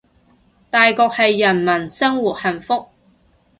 大局係人民生活幸福